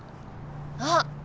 あっ。